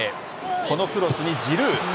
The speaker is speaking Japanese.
このクロスにジルー。